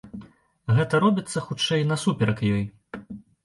Гэта робіцца, хутчэй, насуперак ёй.